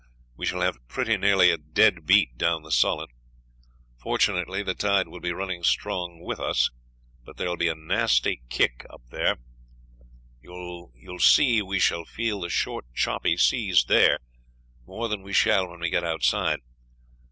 We shall have pretty nearly a dead beat down the Solent. Fortunately the tide will be running strong with us, but there will be a nasty kick up there. You will see we shall feel the short choppy seas there more than we shall when we get outside.